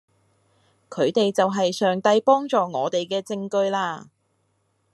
佢哋就係上帝幫助我哋嘅證據嘞